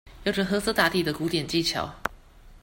有著褐色打底的古典技巧